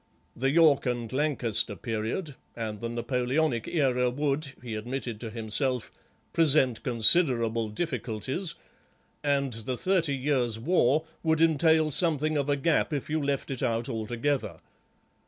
The York and Lancaster period and the Napoleonic era would, he admitted to himself, present considerable difficulties, and the Thirty Years' War would entail something of a gap if you left it out altogether.